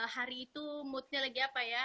hari itu moodnya lagi apa ya